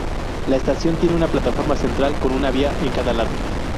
La estación tiene una plataforma central con una vía en cada lado.